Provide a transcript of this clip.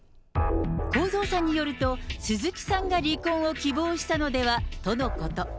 公造さんによると、鈴木さんが離婚を希望したのではとのこと。